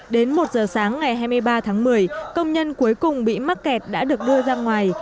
đến một giờ sáng ngày hai mươi ba tháng một mươi công nhân cuối cùng bị mắc kẹt đã được đưa ra ngoài